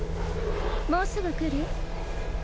もうすぐ来る？